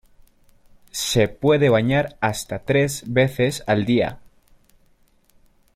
Se puede bañar hasta tres veces al día.